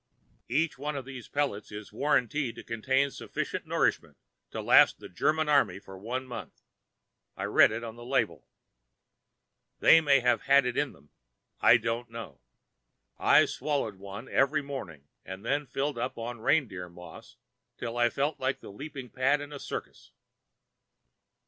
Each one of these pellets is warranted to contain sufficient nourishment to last the Germany army for one month. I read it on the label. They may have had it in them; I don't know. I swallowed one every morning and then filled up on reindeer moss till I felt like the leaping pad in a circus.